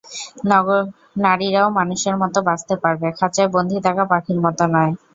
নারীরাও মানুষের মতো বাঁচতে পারবে, খাঁচায় বন্দী থাকা পাখির মতো নয়।